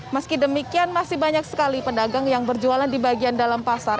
meski demikian masih banyak sekali pedagang yang berjualan di bagian dalam pasar